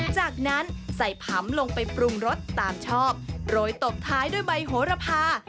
จากนั้นใส่ผำลงไปปรุงรสตามชอบโรยตบท้ายด้วยใบโหระพา